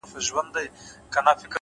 ریښتینی ملګری حقیقت نه پټوي’